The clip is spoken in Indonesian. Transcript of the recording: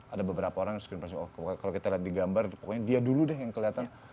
ada beberapa orang yang screen press oh kalau kita lihat di gambar pokoknya dia dulu deh yang kelihatan